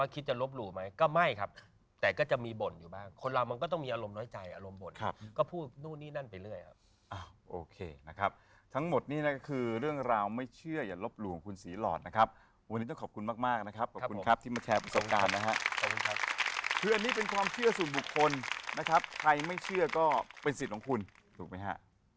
คืออันนี้เป็นความเชื่อสุดบุคคลนะครับใครไม่เชื่อก็เป็นสิทธิ์ของคุณถูกมั้ยฮะ